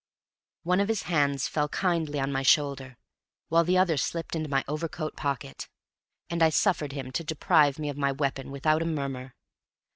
One of his hands fell kindly on my shoulder, while the other slipped into my overcoat pocket, and I suffered him to deprive me of my weapon without a murmur.